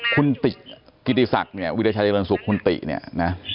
คุณกิริสักษ์วิวิทยาชาจรรย์สุรคุณติณในเนี่ยนะ